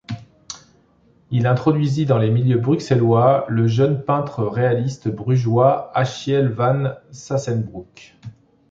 Il introduisit dans les milieux bruxellois, le jeune peintre réaliste brugeois, Achiel Van Sassenbrouck.